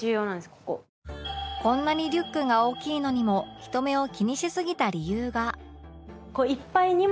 こんなにリュックが大きいのにも人目を気にしすぎた理由が